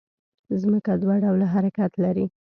ځمکه دوه ډوله حرکت لري